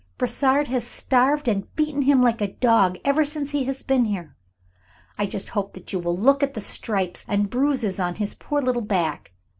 Brossard has starved and beaten him like a dog ever since he has been here. I just hope that you will look at the stripes and bruises on his poor little back.